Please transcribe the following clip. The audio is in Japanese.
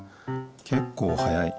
けっこうはやい。